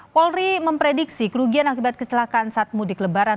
polri memprediksi kerugian akibat kecelakaan saat mudik lebaran